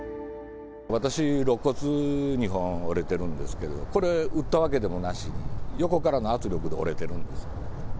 私、ろっ骨２本折れてるんですけど、これ、打ったわけでもなしに、横からの圧力で折れてるんですね。